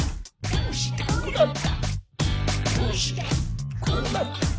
どうしてこうなった？」